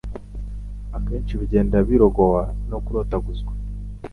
akenshi bigenda birogowa no kurotaguzwa